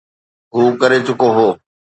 هو ڪري چڪو هو.